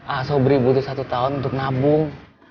ah sobri butuh satu tahun untuk nabung